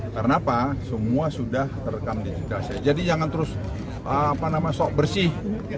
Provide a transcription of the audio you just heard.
karena apa semua sudah terekam digital jadi jangan terus sok bersih